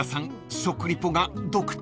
食リポが独特］